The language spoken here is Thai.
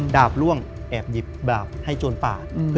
ดาบร่วงแอบหยิบแบบให้โจรป่า